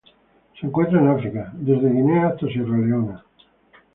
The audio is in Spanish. Se encuentran en África: desde Guinea hasta Sierra Leona.